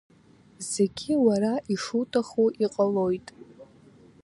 Зегьы уара ишуҭаху иҟалоит.